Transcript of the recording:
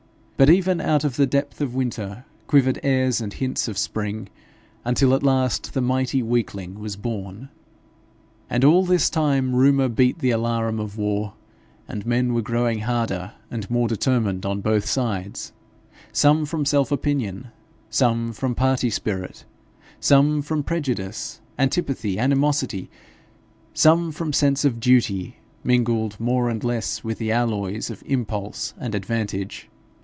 But even out of the depth of winter, quivered airs and hints of spring, until at last the mighty weakling was born. And all this time rumour beat the alarum of war, and men were growing harder and more determined on both sides some from self opinion, some from party spirit, some from prejudice, antipathy, animosity, some from sense of duty, mingled more and less with the alloys of impulse and advantage.